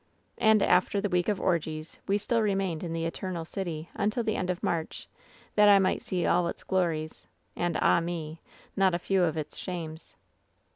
"And, after the week of orgies, we still remained in the ^Eternal City' until the end of March, that I might see all its glories, and, ah me ! not a few of its shames.